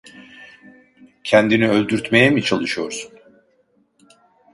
Kendini öldürtmeye mi çalışıyorsun?